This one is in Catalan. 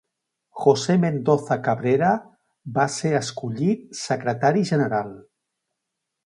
José Mendoza Cabrera va ser escollit secretari general.